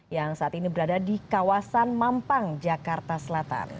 yang saat ini berada di kawasan mampang jakarta selatan